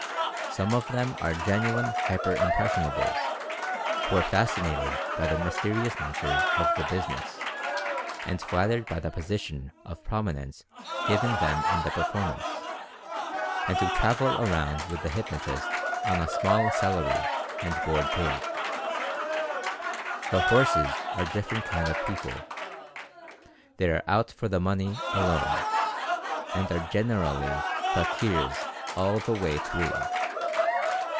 Some of them are genuine "hyper intpressionables/' who are fascinated by the mysterious nature of "the Inquiry into Certain Phenomena 139 business" and flattered by the position of prominence given them in the performance, and who travel around with the hypnotist on a small salary and board paid. The "horses" are different kind of people — they are "out for the money" alone, and are generally "fakirs" all the way through.